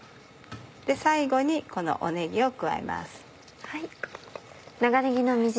最後にこのねぎを加えます。